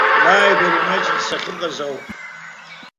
Лааигәара имаҷны сахьыҟаз ауп.